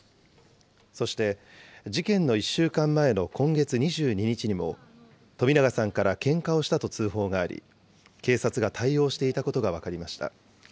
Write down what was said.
そして、事件の１週間前の今月２２日にも、冨永さんからけんかをしたと通報があり、警察が対応していたことが分かりました。